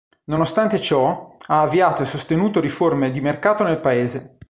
Nonostante ciò, ha avviato e sostenuto riforme di mercato nel paese.